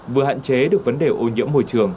vừa hạn chế được vấn đề ô nhiễm